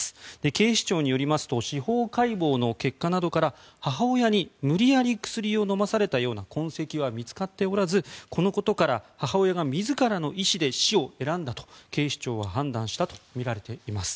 警視庁によりますと司法解剖の結果などから母親に無理やり薬を飲まされたような痕跡は見つかっておらずこのことから母親が自らの意思で死を選んだと警視庁は判断したとみられています。